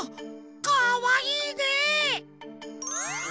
かわいいね！